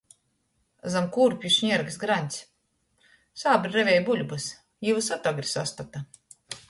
Zam kūrpu šnierkst graņts. Sābri revej buļbys, jī vysod agri sastota.